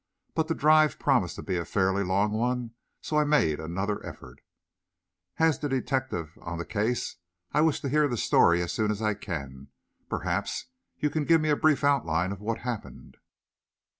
But the drive promised to be a fairly long one, so I made another effort. "As the detective on this case, I wish to hear the story of it as soon as I can. Perhaps you can give me a brief outline of what happened."